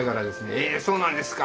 「えそうなんですか」